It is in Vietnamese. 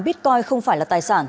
bitcoin không phải là tài sản